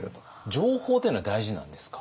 情報っていうのは大事なんですか？